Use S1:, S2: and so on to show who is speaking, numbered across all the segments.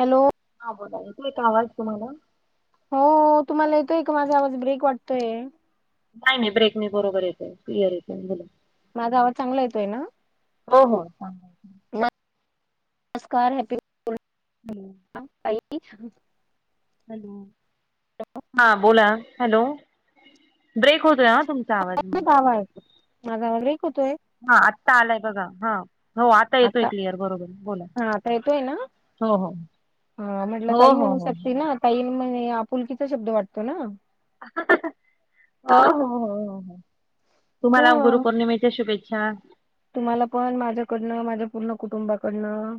S1: Hello?
S2: हा बोला ना तू काय आवाज तुम्हाला.
S1: हो तुम्हाला येतोय का माझा आवाज ब्रेक वाटतोय.
S2: नाई नाई ब्रेक नी बरोबर येतोय. क्लिअर येतोय.
S1: माझा आवाज चांगला येतोय ना.
S2: हो हो.
S1: नमस्कार हॅपी.
S2: हम्म.
S1: [inaudible]
S2: हॅल हा बोला हॅलो ब्रेक होतो ना तुम
S1: [inaudible]
S2: हा आत्ता आलाय बघा हा. हो आता येतोय क्लिअर बरोबर बोला
S1: हा आता येतोय ना
S2: हो हो.
S1: हा म्हटलं
S2: हो
S1: ताई
S2: हो
S1: म्हणू
S2: हो
S1: शकते ना ताई म्हणे आपुलकीचा शब्द वाटतो ना.
S2: ह हो हो हो.
S1: ह
S2: तुम्हाला गुरुपौर्णिमेच्या शुभेच्छा.
S1: तुम्हाला पण माझ्याकडनं माझ्या पूर्ण कुटुंबाकडनं.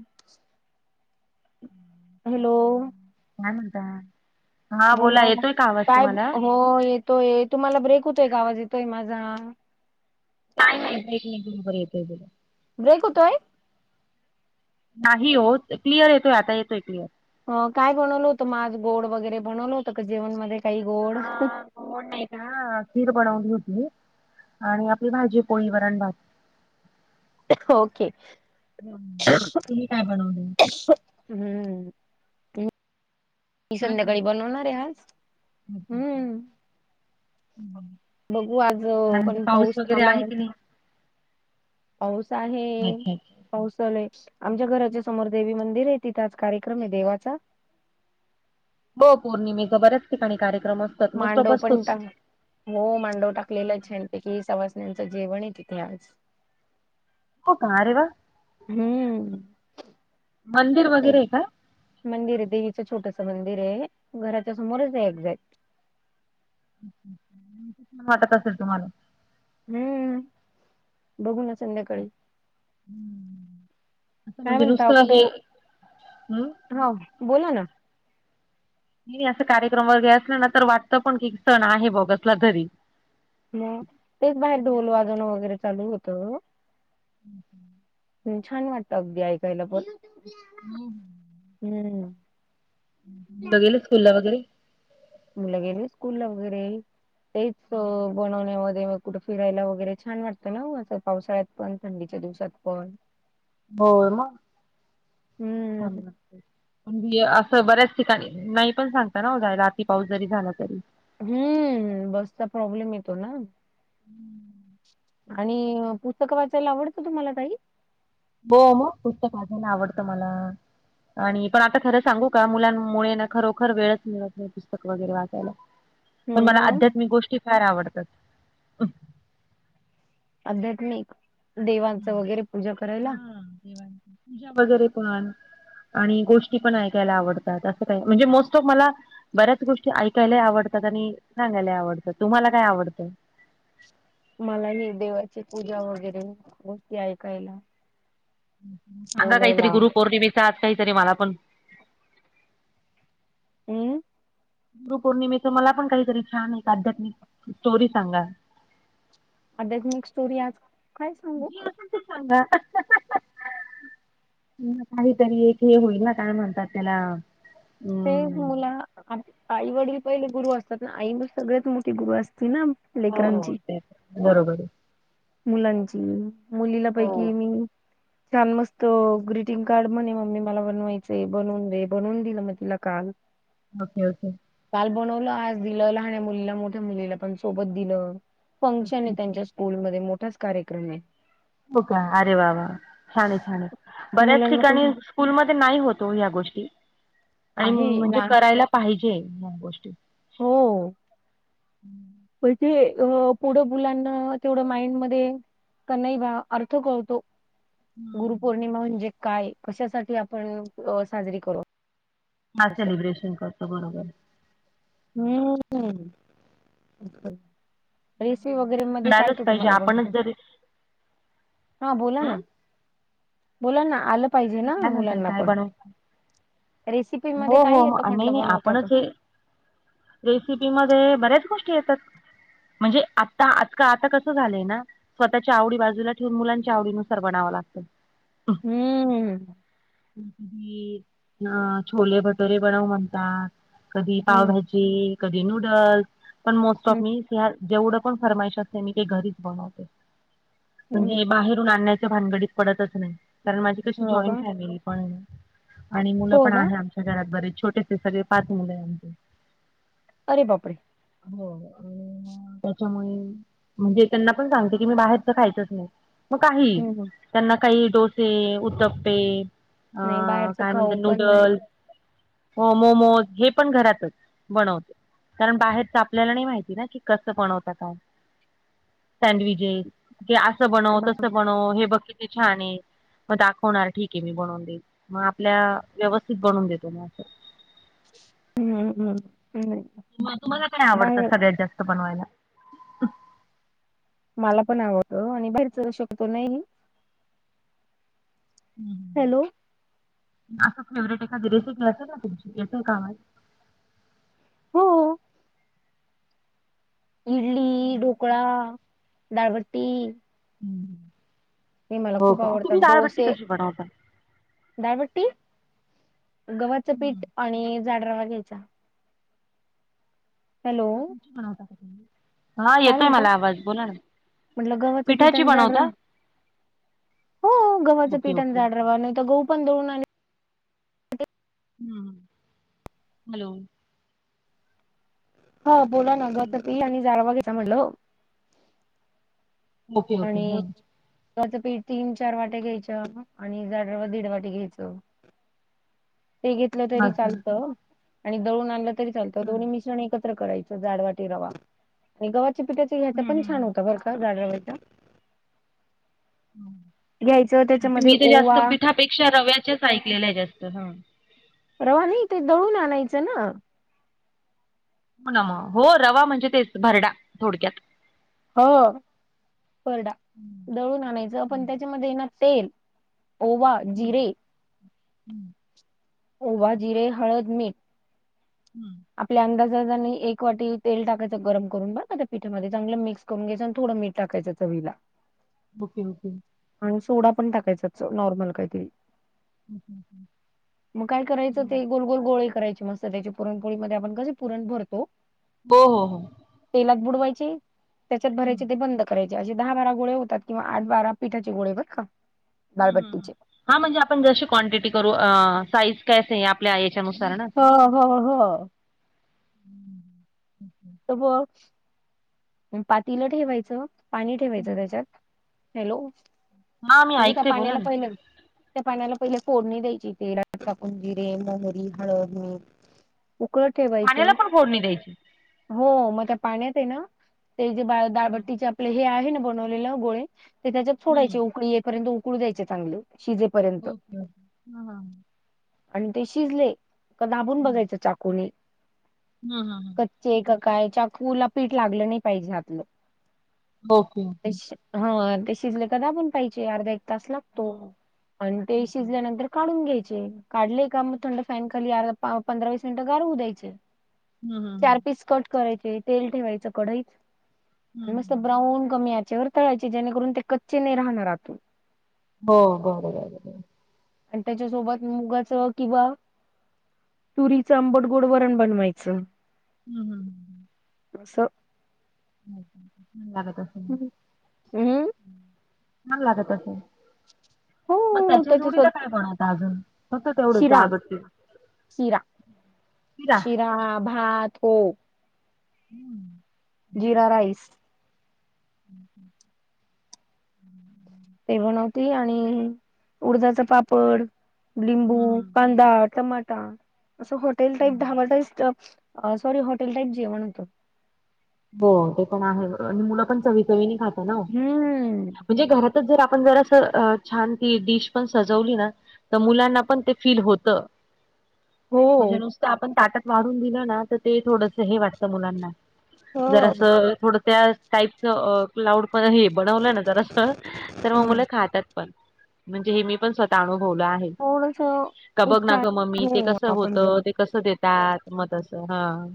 S1: [inaudible] हॅलो
S2: काय म्हणता? हा
S1: बोला
S2: येतोय का आवाज तुम्हाला?
S1: बोला येत. तोय तुम्हाला ब्रेक होतोय का आवाज येतोय माझा.
S2: काय नाही भट नाही बरोबर येतय तुला.
S1: ब्रेक होतोय.
S2: नाही हो क्लिअर येतोय आता येतोय क्लिअर.
S1: काय बनवलं होतं माझ गोड वगैरे बनवलं होतं का जेवणमध्येध्ये काही गोड.
S2: अ खीर बनवून घेतली. आणि आपली भाजी, पोळी, वरण, भात.
S1: ओके.
S2: तुम्ही काय बनवलंय?
S1: हम्म मी
S2: काय पण
S1: संध्याकाळी बनवणार आहे आज.
S2: अच्छा.
S1: हम्म बघू आज अ,
S2: त्यानंतर
S1: पण
S2: पाऊस वगैरे
S1: थांबलाय
S2: आहे कि नाही.
S1: पाऊस आहे
S2: अच्छा अच्छा.
S1: पावसालय आमच्या घराच्या. समोर देेवी तिथच कार्यक्रम आहे देवाचा.
S2: हो पौर्णिमेचा बऱ्याच ठिकाणी कार्यक्रम असतात मोस्ट ऑफ
S1: मांडव पण
S2: असतोच.
S1: टाक हो मांडव टाकलेला छानपैकी सवाासण्यांचं जेवण आहे तिथे आज. [unintelligible]
S2: हो का अरे वा!
S1: हम्म.
S2: मंदिर
S1: ते
S2: वगैरे का.
S1: मंदिर आहे देवीचं छोटस मंदिर आहे घराच्या समोरच जा.
S2: म तसं असेल तर मग आणिन
S1: हम्म बघू ना संध्याकाळी. काय
S2: दुरुस्तत हे म्ह
S1: हो बोला ना.
S2: नाही नाही असं कार्यक्रम व घेय असलं ना तर वाटतं पण की सण आहे बघसल घरी.
S1: मग तेच बाहेर ढोल वाजणं वगैरे चालू होतं.
S2: [inaudible]
S1: छान वाटत अगदी ऐकायला पन.
S2: [inaudible]
S1: हम्म.
S2: मुलं गेली स्कूला वगैरे.
S1: मुलं गेले स्कूल ला वगैरे, तेच बनवण्यामध्ये मग. कुठं फिरायला वगैरे छान वाटतं ना असं, पावसाळ्यात पण थंडीच्या दिवसात पण.
S2: होय मगं. छान
S1: हम्म.
S2: लागतंय. म्हण असं बऱ्याच ठिकाणी नाही पण सांगता ना हो, जायला राती पाऊस जरी झाला तरी.
S1: हम्म, बसचा प्रॉब्लेम येतो ना. आणि पुस्तकं वाचायला आवडतं तुम्हाला ताई.
S2: हो मग, पुस्तक वाचायला आवडतं मला. आणि पण आता खरं सांगू का, मुलांमुळे ना खरोखर वेळच मिळत पुस्तक वगैरे वाचायला पण
S1: हम्म
S2: मला,
S1: मग
S2: आध्यात्मिक गोष्टी फार आवडतात.
S1: आध्यात्मिक देवांच
S2: हम्म.
S1: वगैरे पूजा करायला.
S2: हा देवांची पूजा वगैरे पण आणि गोष्टी पण ऐकायला आवडतात, असं काय म्हणजे मोस्ट ऑफ मला. बऱ्याच गोष्टी ऐकायला आवडतात, आणि सांगायला आवडतात तुम्हाला काय आवडतं.
S1: मला ही देवाची पूजा वगैरे गोष्टी ऐकायला.
S2: सांगा काहीतरी
S1: बोलायला
S2: गुरु पौर्णिमेच, आज काहीतरी मला पण.
S1: अमं.
S2: गुरुपौर्णिमेच मला पण, काहीतरी छान एक आध्यात्मिक स्टोरी सांगा.
S1: आध्यात्मिक स्टोरी आज काय सांगू.
S2: काहीही सांगा हा हा हा. ह काहीतरी एक हे होईल ना, काय म्हणतात त्याला.
S1: ते
S2: अं,
S1: मुला आई वडील पहिले गुरु असतात ना, आई म सगळ्यात मोठी गुरु असते ना.
S2: हो
S1: लेकरांची
S2: ते बरोबर आहे
S1: मुलांची. मुलीला
S2: हो
S1: पैकी मी. छान मस्त ग्रीटिंग कार्ड म्हणे, मम्मी मला बनवायचं बनवून दे बनवून दिलं मग. लकाल.
S2: Okay okay.
S1: काल बनवलं आज दिलं, लहान्या मुलीला मोठ्या मुलीला पण सोबत दिलं. फंक्शन आहे. त्यांच्या स्कूलमध्ये मोठांच कार्यक्रम आहे.
S2: हो का, अरे वा वा छानाय छान बऱ्याच
S1: मुलांना तो
S2: ठिकाणी. स्कूलमध्ये नाही होतो या गोष्टी, आणि
S1: आहे
S2: म्हणजे
S1: लहान
S2: करायला पाहिजे ह्या गोष्टी.
S1: हो. म्हणजे पुढं मुलांना तेवढं माइंड मध्ये, तर नाही बा अर्थ कळतो. गुरुपौर्णिमा म्हणजे काय, कशासाठी आपण साजरी करू.
S2: का सेलिब्रेशन करतो बरोबर हाय.
S1: हम्म. रेसिपी मध्ये वगैरे,
S2: करायलाच पाहिजे
S1: तुम्हाला काय
S2: आपणच
S1: बनवता येतं.
S2: जर हं?
S1: हा बोला ना, बोला ना आलं. पाहिजे
S2: हे
S1: ना
S2: काय म्हणताय
S1: मुलांना
S2: काय
S1: पण,
S2: बनव
S1: रेसिपी मध्ये काय येत म्हटलं बनवता.
S2: रेसिपी मध्ये बऱ्याच गोष्टी येतात. म्हणजे आता, आज आता कसं झालंय ना. स्वतःच्या आवडी बाजूला ठेवून, मुलांच्या आवडीनुसार बनावं लागतंय.
S1: हम्म.
S2: कधी अ छोले भटोरे बनव म्हणतात. कधी
S1: हम्म
S2: पावभाजी. कधी नूडल्स पण मोस्ट ऑफ
S1: हम्म
S2: मी जेवढं पण फरमाईश असते मी का घरीच बनवते.
S1: हम्म.
S2: म्हणजे बाहेरून आणण्याच्या भानगडीत पडतच नाही कारण माझ कशी
S1: हो
S2: जॉईंट
S1: का?
S2: फॅमिली पण आणि मुलं
S1: हो
S2: पण
S1: ना
S2: आहे आम बरेच छोटेसे सगळे पाच मुले आमचं.
S1: अरे बापरे!
S2: हो. त्याच्यामुळे म्हणजे त्यांना पण सांगते की मी बाहेरच खायचंच नाही. मग काही
S1: हम्म हम्म.
S2: त्यांना काही डोसे, उतप्पे. अ
S1: नाही बाहेरच
S2: काय म्हणत
S1: खाऊ पण नाही.
S2: नूडल हो मोमोज हे पण घरातच बनवते. कारण बाहेरच आपल्याला नाही माहिती ना की कसं पण बनवतात. काय सँडविजेस असं बनवत
S1: बा-
S2: तसं बनव हे बघ हे किती छान आहे. होणार ठीक आहे मी बनवून देत मग आपल्या व्यवस्थित बनवून देतो मग असं.
S1: हम्म हम् ह्.
S2: तुम्हाला काय आवडतं सगळ्यात जास्त बनवायला?
S1: मला पण आवडत आणि बाहेरच शकतो नाही.
S2: हम्.
S1: हॅलो.
S2: असं फेवरेट एखादी रेसिपी असेल ना, तुमचीं काम
S1: हो. इडली, ढोकळा, दाळबट्टी. ते मला
S2: ह् हो
S1: खूप
S2: का, तुम्ही
S1: आवडतात
S2: दाळबट्टी कशी बनवता?
S1: दाळबट्टी गव्हाचं
S2: हम्म.
S1: पीठ आणि जाड रवा घ्यायचा. हॅलो
S2: हा
S1: काय
S2: येतोय
S1: म्हणता
S2: मला आवाज बोला ना.
S1: म्हटलं गव्हाचं पीठ
S2: पिठाची
S1: आणि जाड
S2: बनवता?
S1: रवा. हो गव्हाचं
S2: ओके
S1: पीठण
S2: ओके.
S1: जाड रवा नाही तर गहू
S2: हम्म, हॅलो.
S1: हा बोला गव्हाचं
S2: हॅलो.
S1: पीठ आणि जाड रवा घ्यायचं बोललो.
S2: ओके ओके
S1: आणि
S2: हा
S1: गव्हाचं पीठ तीन-चार वाट्या घ्यायचा आणि जाड रवा दीड वाटी घ्यायचं. ते घेतलं तरी
S2: असं.
S1: चालतं आणि दळून आणलं तरी चालतं दोन्ही
S2: हम्म.
S1: मिश्रण एकत्र करायचे. जाड वाटी रवा आणि गव्हाच्या पिठाच्या याचा
S2: हम्म
S1: पण
S2: हम्म
S1: होतं जाड गव्हाचा. घ्यायचं
S2: णे
S1: त्याच्यामध्ये
S2: मी तर जास्त
S1: ओवा
S2: पिठापेक्षा रव्याच्याच ऐकलेलं आहे जास्त हा.
S1: रवा नाही ते दळून आणायचा ना.
S2: हो ना मग हो रवा म्हणजे तेच भरडा थोडक्यात.
S1: हो ना थोडा
S2: हम्म.
S1: दळून आणायचा
S2: हम्म.
S1: त्याच्यामध्ये मग तेल ओवा, जिरे.
S2: हम्म.
S1: ओवा, जिरे, हळद, मीठ.
S2: [inaudible]
S1: आपल्या अंदाजात आणि एक वाटी तेल टाकायचं गरम करून बर त्या पिठामध्ये चांगलं मिक्स करून घ्यायचा अन थोडा मीठ टाकायचा चवीला.
S2: ओके! ओके!
S1: आणि सोडा पण टाकायचा नॉर्मल काहीतरी.
S2: Okay okay.
S1: मग काय करायचं ते
S2: हम्म.
S1: गोलगोल गोळे करायचे मस्त. स त्या्याच्या पुरणपोळीमध्येध्ये आपण कसं पुरण भरतो.
S2: हो हो हो.
S1: तेलात बुडवायची त्याच्यात
S2: हम्म.
S1: भरायची ते बंद करायचे असे दहा, बारा गोळे होतात किंवा आठ, बारा- पिठाचे गोळे बरं का? दालबट्टीचे
S2: हा म्हणजे आपण जशी क्वांटिटी करू साईज काय? आपल्या याच्यानुसार ना.
S1: हो हो हो. [unintelligible] पातीलं ठेवायचं पाणी ठेवायचं त्याच्यात हॅलो.
S2: हा मी
S1: म्हणजे त्या
S2: ऐकते बोला
S1: पाण्याला
S2: ना
S1: पहिलं. त्या पाण्याला पहिले फोडणी द्यायची तेलात टाकून जिरे, मोहरी, हळद. उकळत
S2: पाण्याला
S1: ठेवायचं
S2: पण फोडणी द्यायची
S1: हो मग त्या पाण्यात आहे ना. ते जे
S2: हम्म
S1: बाळदाळबट्टीचे आपले हे आहे ना बनवलेलं गोळे ते त्याच्यात
S2: हम्म,
S1: सोडायचे उकळी येईपर्यंत- उकडू द्यायचे चांगले शिजेल.
S2: हो का? ह ह.
S1: आणि ते शिजले का? दाबून बघायचं चाकूने.
S2: हंं हं हं.
S1: ते एकाकडे चाकूला पीठ लागला नाही पाहिजे ह्यातलं.
S2: ओके ओके
S1: हा ते शिजले का? दाबून पहायचेअर्धा एक तास लागतो
S2: हो,
S1: आणि ते
S2: ओके.
S1: शिजल्यानंतर- काढून घ्यायचे काढलेय का? थंड फॅन खाली अरपाव पंधरा विस मिनटं गार होवू देयचे.
S2: हम्म हम्म हम्म
S1: चार पीस कट करायचे तेल ठेवायचं कढईत.
S2: हम्म
S1: आणि मस्त!
S2: हम्म.
S1: ब्राऊन कमी आचेवर तळायचे जेणेकरून ते कच्चे नाही राहणार आतून.
S2: हो बरं बरं बरं.
S1: आणि त्याच्यासोबत मुगाचं किंवा- तुरीचं आंबड गोड वरण बनवायचं.
S2: हम, हम, हम.
S1: असं.
S2: मला तसं-
S1: हम् हम्.
S2: छान लागत असं
S1: हो
S2: मग त्याच्या जोडीला
S1: त्याच्यासोबत
S2: काय? बनवता अजून. फक्त तेवढंच
S1: शिरा,
S2: डाळबट्टी
S1: शिरा, शिरा, भात हो.
S2: हम्म.
S1: जिरा राईस.
S2: [unintelligible]
S1: ते बनवती आणि उडदाच पापड, लिंबू,
S2: हम्म
S1: पाणी डाळ, टमाटा, असं हॉटेल टाईप
S2: हम्म
S1: dhaba type sorry hotel type जेवण होतं.
S2: हो ते पण आहे. आणि मुलं पण चवी चवीणे खात ना
S1: हम्म
S2: म्हणजे घरात- जर आपण जरा असं छान ती डिश पण सजवली ना. तर मुलांना पण ते फील होतं.
S1: हो.
S2: म्हणजे नुसतं आपण ताटात वाढून दिलं ना तर ते थोडंसं हे वाटतं मुलांना.
S1: हो
S2: जर असं थोड त्या टाईपच. लाऊड पण हे बनवलं ना जरा तर मग
S1: हम्म
S2: मुलं खातात. पण म्हणजे हे, मी पण स्वतः अनुभवलं आहे.
S1: थोडसं
S2: ते बघ ना
S1: उत्साह
S2: गं मम्मी ते,
S1: हो
S2: कसं
S1: आपण
S2: होतं.
S1: जर
S2: ते कसं देत त्यात मग तसं हां.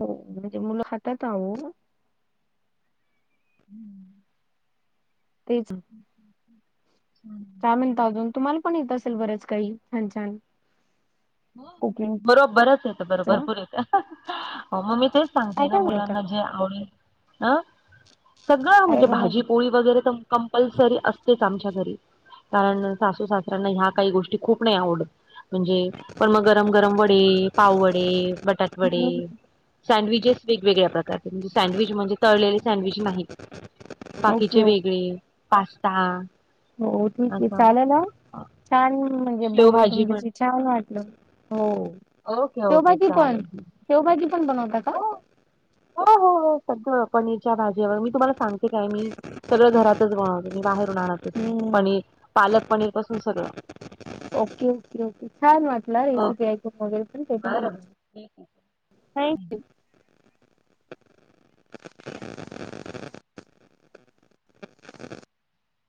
S1: हो म्हणजे मुलं खातात आहों.
S2: हम्म.
S1: तेच.
S2: हम्.
S1: काय म्हणता अजून, तुम्हाला पण येत असेल बरंच काही छान छान.
S2: हो
S1: कुकिंगच
S2: बरो बरंच येत, बरो भरपूर येत. हो मग मी तेच
S1: काय
S2: सांगते ना,
S1: काय बनवता?
S2: मुलांना जे आवडेल. अं सगळं
S1: काय
S2: म्हणजे भाजी
S1: बनवता
S2: पोळी. वगैरे तर कंपल्सरी असतेच आमच्या घरी. कारण सासू सासर्यांना ह्या काही गोष्टी खूप नाही आवडत. म्हणजे, पण मग गरम वडे, पाव वडे, बटाटे वडे. सँडविचचेस वेगवेगळ्या प्रकारचे, म्हणजे सँडविच म्हणजे तळलेले सँडविच नाहीत.
S1: ओके
S2: बाकीचे
S1: ओके.
S2: वेगळे पास्ता.
S1: हो ठीक
S2: असं
S1: [unintelligible] छान म्हणजे बोलून,
S2: शेवभाजी म्हण
S1: तुमच्याशी छान वाटलं हो.
S2: ओके ओके
S1: शेवभाजी पण
S2: चालेल.
S1: शेवभाजी पण बनवता का.
S2: हो हो हो, सगळं पनीरच्या भाजीवर मी, तुम्हाला सांगते काय मी सगळं घरात. बनवत मी बाहेरून आणातचं नाही,
S1: हम्म
S2: पनीर पालक पनीर पासून सगळं.
S1: Okay okay okay. छान वाटलं
S2: हो
S1: रेसिपी ऐकून वगैरे
S2: बरं बर ठीक
S1: [unintelligible] थँक यू.